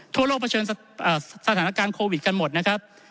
ทั่วโลกเผชิญสถานการณ์โควิดกันหมดนะครับ